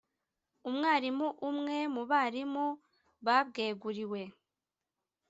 Umwarimu umwe mu barimu babweguriwe